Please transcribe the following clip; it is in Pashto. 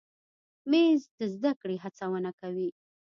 مېز د زده کړې هڅونه کوي.